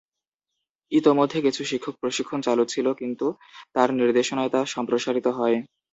ইতোমধ্যে কিছু শিক্ষক প্রশিক্ষণ চালু ছিল কিন্তু তাঁর নির্দেশনায় তা সম্প্রসারিত হয়।